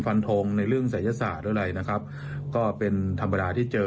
ฟันโทงในเรื่องศัยศาสตร์อะไรก็เป็นธรรมดาที่เจอ